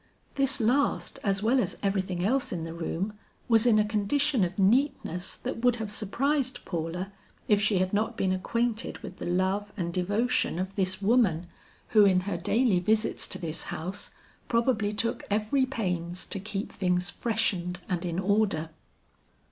This last as well as everything else in the room, was in a condition of neatness that would have surprised Paula if she had not been acquainted with the love and devotion of this woman, who in her daily visits to this house, probably took every pains to keep things freshened and in order.